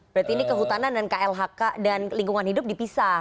berarti ini kehutanan dan klhk dan lingkungan hidup dipisah